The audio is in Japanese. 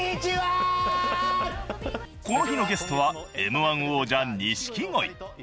［この日のゲストはＭ−１王者錦鯉］